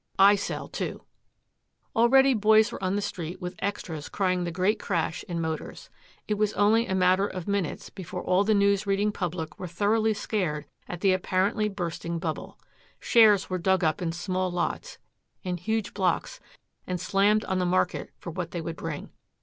I sell, too." Already boys were on the street with extras crying the great crash in Motors. It was only a matter of minutes before all the news reading public were thoroughly scared at the apparently bursting bubble. Shares were dug up in small lots, in huge blocks and slammed on the market for what they would bring.